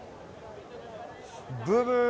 ブブー！